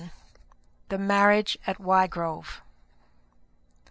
THE MARRIAGE AT WYGROVE.